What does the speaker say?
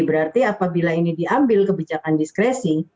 berarti apabila ini diambil kebijakan diskresi